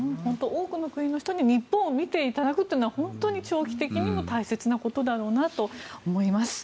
多くの国の人に日本を見ていただくのは本当に長期的にも大切なことだろうなと思います。